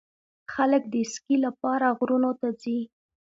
خلک د اسکی لپاره غرونو ته ځي.